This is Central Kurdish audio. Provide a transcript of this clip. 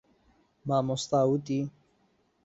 مامۆستا وتی.